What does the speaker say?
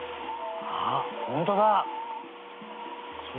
あっほんとうだ！